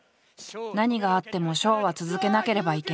「何があってもショーは続けなければいけない」。